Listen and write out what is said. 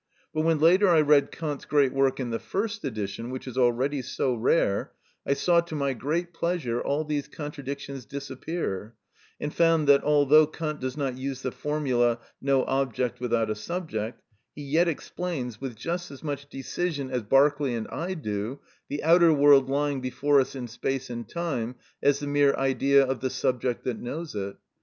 But when later I read Kant's great work in the first edition, which is already so rare, I saw, to my great pleasure, all these contradictions disappear, and found that although Kant does not use the formula, "No object without a subject," he yet explains, with just as much decision as Berkeley and I do, the outer world lying before us in space and time as the mere idea of the subject that knows it.